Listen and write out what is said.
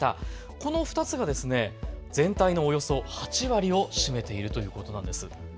この２つが全体のおよそ８割を占めているということです。